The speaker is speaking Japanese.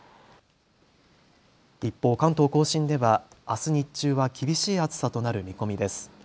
一方、関東甲信ではあす日中は厳しい暑さとなる見込みです。